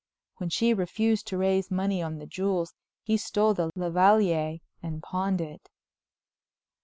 When she refused to raise money on the jewels, he stole the lavalliere and pawned it.